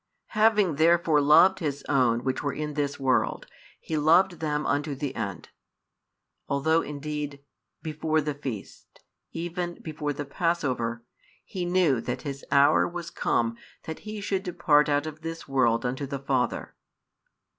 Having therefore loved His own which were in this world, He loved them unto the end, although indeed before the feast, even before the passover, He knew that His hour was come that |173 He should depart out of this world unto the Father.